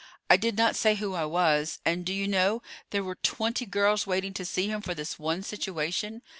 I did not say who I was; and, do you know, there were twenty girls waiting to see him for this one situation.